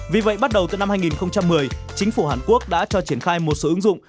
vì vậy bắt đầu từ năm hai nghìn một mươi chính phủ hàn quốc đã cho triển khai một số ứng dụng